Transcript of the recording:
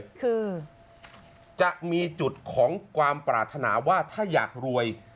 คือจะมีจุดของความปรารถนาว่าถ้าอยากรวย